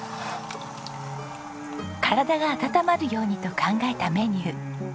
体が温まるようにと考えたメニュー。